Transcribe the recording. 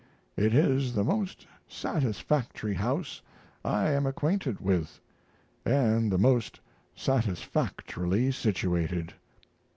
It is the most satisfactory house I am acquainted with, & the most satisfactorily situated..